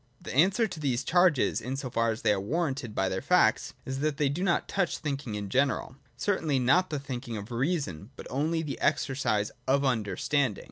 The answer to these charges, in so far as they are warranted by their facts, is, that they do not touch thinking in general, certainly not the thinking of Reason, but only the exercise of Understanding.